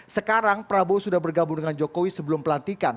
sekarang prabowo sudah bergabung dengan jokowi sebelum pelantikan